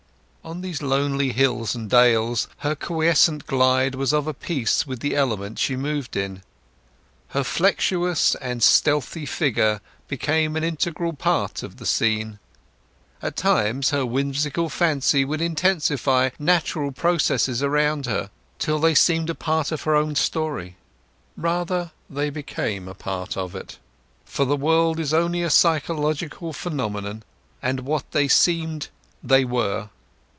On these lonely hills and dales her quiescent glide was of a piece with the element she moved in. Her flexuous and stealthy figure became an integral part of the scene. At times her whimsical fancy would intensify natural processes around her till they seemed a part of her own story. Rather they became a part of it; for the world is only a psychological phenomenon, and what they seemed they were.